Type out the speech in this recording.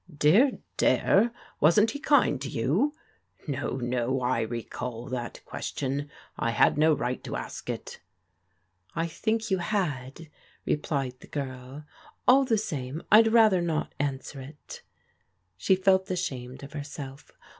" Dear, dear, wasn't he kind to you? No, no, I recall that question. I had no right to ask it." " I think you had," replied the girl ;" all the same, I'd rather not answer it." She felt ashamed of herself.